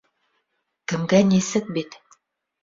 Кемгә нисек бит.